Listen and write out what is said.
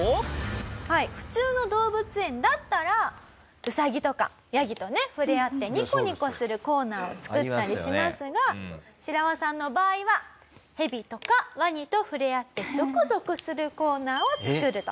はい普通の動物園だったらウサギとかヤギとね触れ合ってニコニコするコーナーをつくったりしますがシラワさんの場合はヘビとかワニと触れ合ってゾクゾクするコーナーをつくると。